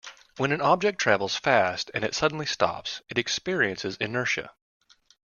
When an object travels fast and it suddenly stops it experiences inertia.